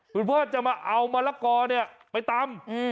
คุณพ่อจะมาเอามะละกอเนี่ยไปตำ